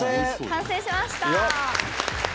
完成しました。